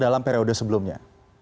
dalam periode sebelumnya